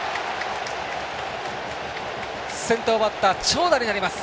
先頭バッターが長打になります。